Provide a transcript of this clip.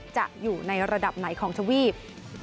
จะอยู่ในระดับไหนของทวีป